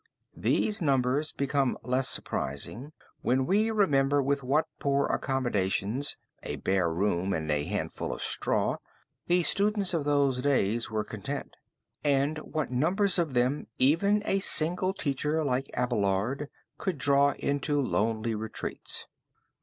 These numbers become less surprising when we remember with what poor accommodations a bare room and an armful of straw the students of those days were content, and what numbers of them even a single teacher like Abelard could, long before draw into lonely retreats.